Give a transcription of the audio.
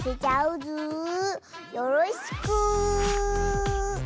よろしく！